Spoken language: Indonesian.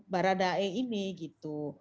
baradae ini gitu